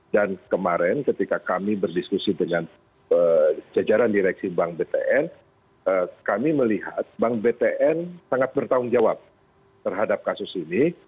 dan kemarin ketika kami berdiskusi dengan jajaran direksi bank btn kami melihat bank btn sangat bertanggung jawab terhadap kasus ini